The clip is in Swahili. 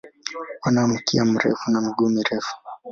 Wana mkia mrefu na miguu mirefu.